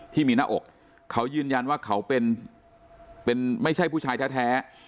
ที่มีหน้าอกเค้ายืนยันว่าเค้าเป็นเป็นไม่ใช่ผู้ชายแท้แท้